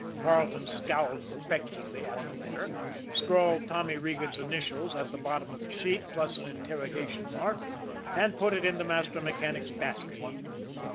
Carleton scowled perplexedly at the letter, scrawled Tommy Regan's initials at the bottom of the sheet, plus an interrogation mark, and put it in the master mechanic's basket.